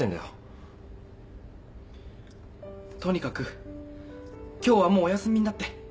とにかく今日はもうお休みになって。